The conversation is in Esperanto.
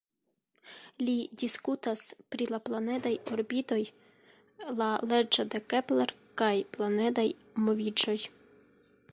Li diskutas pri la planedaj orbitoj, la leĝo de Kepler kaj planedaj moviĝoj.